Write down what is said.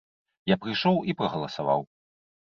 Я прыйшоў і прагаласаваў.